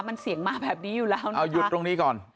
มันเสียงมาแบบนี้อยู่แล้วนะเอาหยุดตรงนี้ก่อน